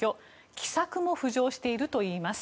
奇策も浮上しているといいます。